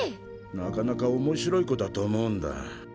なかなか面白い子だと思うんだ。